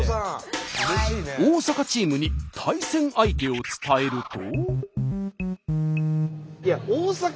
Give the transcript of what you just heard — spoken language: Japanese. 大阪チームに対戦相手を伝えると。